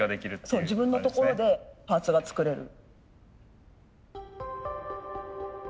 そう自分のところでパーツが作れる。